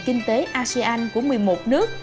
kinh tế asean của một mươi một nước